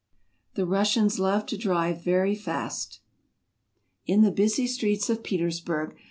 The Russians love to drive very fast. In the 2.8 RUSSIA. busy streets of Petersburg!!